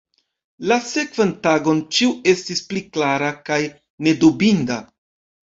La sekvan tagon ĉio estis pli klara kaj nedubinda.